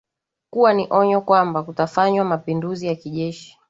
kuwa ni onyo kwamba kutafanywa mapinduzi ya kijeshi